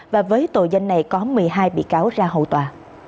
và với tội danh này có một mươi hai bị cáo ra hầu tòa